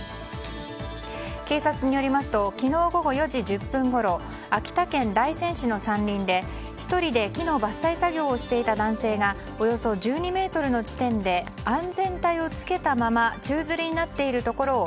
警察によりますと昨日午後４時１０分ごろ秋田県大仙市の山林で１人で木の伐採作業をしていた男性がおよそ１２ｍの地点で安全帯をつけたまま宙づりになっているところを